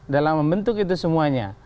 dalam membentuk itu semuanya